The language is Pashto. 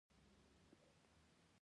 له هغه وخته